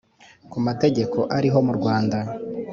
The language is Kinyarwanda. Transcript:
ku mategeko ariho mu Rwanda